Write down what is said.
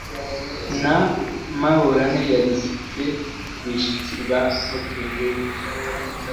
Na Maburane ya Giseke Rwishiki rwa Matunguru